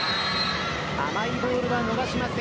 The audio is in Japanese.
甘いボールは逃しません。